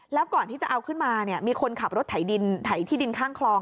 แล้วก่อนที่จะเอาขึ้นมาเนี่ยมีคนขับรถไถดินไถที่ดินข้างคลอง